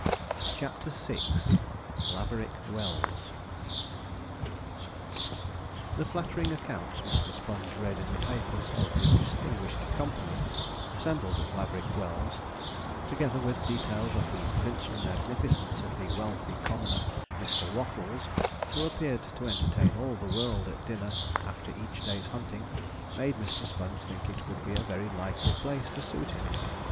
CHAPTER VI LAVERICK WELLS The flattering accounts Mr. Sponge read in the papers of the distinguished company assembled at Laverick Wells, together with details of the princely magnificence of the wealthy commoner, Mr. Waffles, who appeared to entertain all the world at dinner after each day's hunting made Mr. Sponge think it would be a very likely place to suit him.